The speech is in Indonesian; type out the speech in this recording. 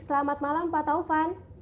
selamat malam pak taufan